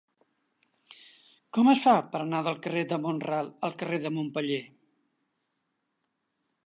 Com es fa per anar del carrer de Mont-ral al carrer de Montpeller?